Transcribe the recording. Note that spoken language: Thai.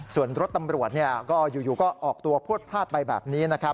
ส่วนรถตำรวจอยู่ก็ออกตัวพวดพลาดไปแบบนี้